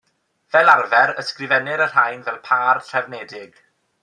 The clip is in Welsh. Fel arfer, ysgrifennir y rhain fel pâr trefnedig.